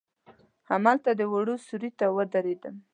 هملته د وره سیوري ته ودریدم.